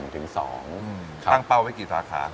ตั้งเป้าไว้กี่สาขา